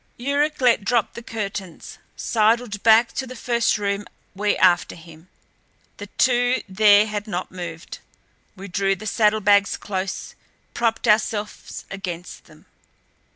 Yuruk let drop the curtains, sidled back to the first room, we after him. The two there had not moved. We drew the saddlebags close, propped ourselves against them.